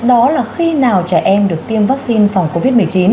đó là khi nào trẻ em được tiêm vaccine phòng covid một mươi chín